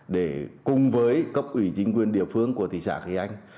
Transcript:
để cùng với cấp ủy chính quyền địa phương của thị xã kỳ anh